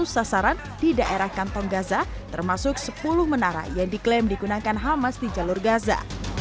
enam ratus sasaran di daerah kantong gaza termasuk sepuluh menara yang diklaim digunakan hamas di jalur gaza